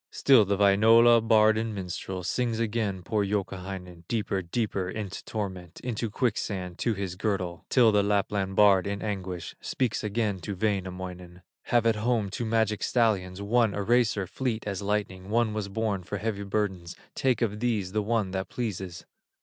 Still the minstrel of Wainola Sings again poor Youkahainen Deeper, deeper into torment, Into quicksand to his girdle, Till the Lapland bard in anguish Speaks again to Wainamoinen: "Have at home two magic stallions, One a racer, fleet as lightning, One was born for heavy burdens; Take of these the one that pleases."